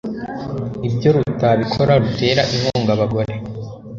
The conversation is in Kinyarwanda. ibyo rukabikora rutera inkunga abagore